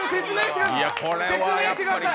説明してください。